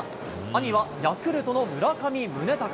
兄はヤクルトの村上宗隆。